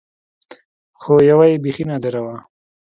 خو يوه يې بيخي نادره وه.